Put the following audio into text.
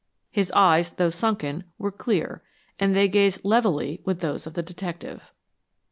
His eyes, though sunken, were clear, and they gazed levelly with those of the detective.